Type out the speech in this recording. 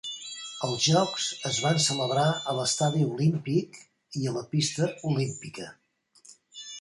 Els jocs es van celebrar a l'estadi olímpic i a la pista olímpica.